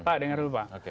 pak dengar dulu pak